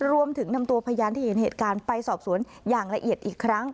รวมถึงนำตัวพยานที่เห็นเหตุการณ์ไปสอบสวนอย่างละเอียดอีกครั้ง